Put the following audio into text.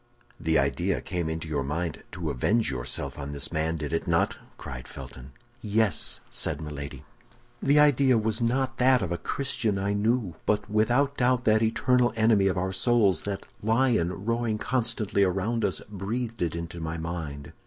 "The idea came into your mind to avenge yourself on this man, did it not?" cried Felton. "Yes," said Milady. "The idea was not that of a Christian, I knew; but without doubt, that eternal enemy of our souls, that lion roaring constantly around us, breathed it into my mind.